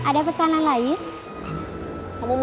kok dib seeksor sama apa dengan keamannya